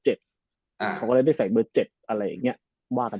เขาก็เลยได้ใส่เบอร์๗นี่บ้าง